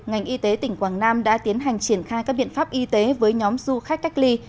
ngành y tế tỉnh quảng nam đã tiến hành triển khai các biện pháp y tế với nhóm du khách cách ly